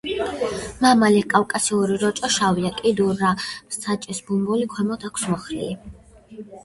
მამალი კავკასიური როჭო შავია, კიდურა საჭის ბუმბული ქვემოთ აქვს მოხრილი.